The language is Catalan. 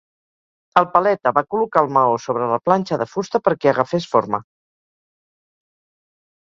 El paleta va col·locar el maó sobre la planxa de fusta perquè agafés forma.